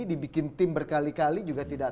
dibikin tim berkali kali juga tidak